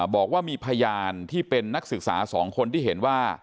บอกว่ามีพยานที่เป็นนักศึกษา๒คนที่เห็นว่า